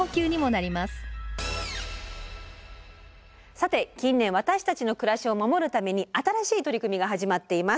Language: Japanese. さて近年私たちの暮らしを守るために新しい取り組みが始まっています。